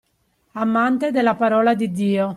Amante della parola di Dio